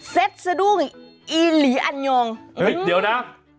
สะดุ้งอีหลีอันยองเฮ้ยเดี๋ยวนะ